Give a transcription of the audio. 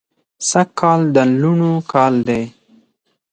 سږ کال د لوڼو کال دی